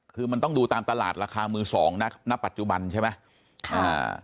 คือมันต้องดูตามตลาดราคามือสองนะณปัจจุบันใช่ไหม